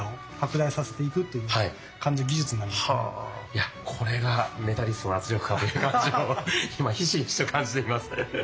いやこれがメダリストの圧力かという感じを今ひしひしと感じています。